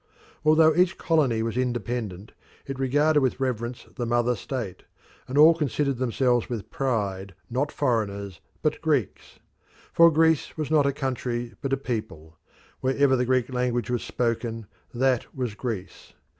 Although each colony was independent, it regarded with reverence the mother state, and all considered themselves with pride not foreigners but Greeks; for Greece was not a country but a people; wherever the Greek language was spoken, that was Greece.